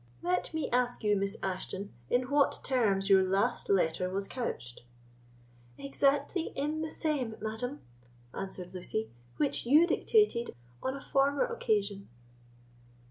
Let me ask you, Miss Ashton, in what terms your last letter was couched?" "Exactly in the same, madam," answered Lucy, "which you dictated on a former occasion."